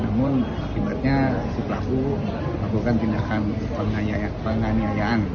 namun akibatnya si pelaku melakukan tindakan penganiayaan